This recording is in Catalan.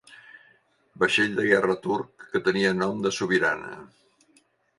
Vaixell de guerra turc que tenia nom de sobirana.